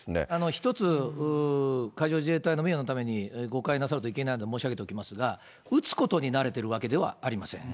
ひとつ、海上自衛隊の名誉のために誤解なさるといけないので申し上げておきますが、撃つことになれてるわけではありません。